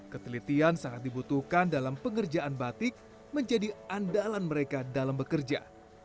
ketelitian sangat dibutuhkan dalam pengerjaan batik menjadi andalan mereka dalam bekerja